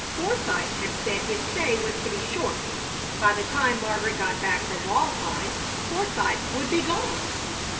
Forsythe had said his stay was to be short. By the time Margaret got back from Walpi Forsythe would be gone.